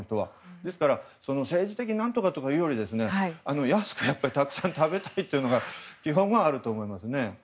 政治的に何とかというよりも安くたくさん食べたいというのがあると思います。